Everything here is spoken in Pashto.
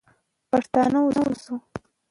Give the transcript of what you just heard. پوښتنه وسوه.